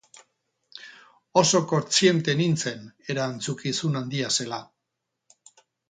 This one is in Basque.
Oso kontziente nintzen erantzukizun handia zela.